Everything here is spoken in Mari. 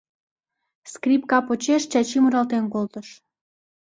Скрипка почеш Чачи муралтен колтыш: